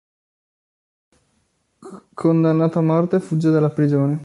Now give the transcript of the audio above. Condannato a morte, fugge dalla prigione.